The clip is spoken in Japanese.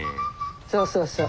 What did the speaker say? そうそうそう。